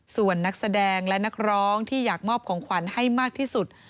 ส่วนนักแสดงและนักร้องที่อยากมอบของขวัญให้มากที่สุด